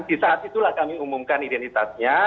di saat itulah kami umumkan identitasnya